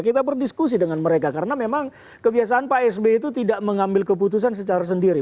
kita berdiskusi dengan mereka karena memang kebiasaan pak sby itu tidak mengambil keputusan secara sendiri